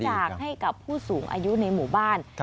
อยากให้กับผู้สูงอายุในหมู่บ้าน